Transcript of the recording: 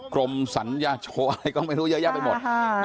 กรมสัญญาโชว์อะไรก็ไม่รู้เยอะแยะไปหมด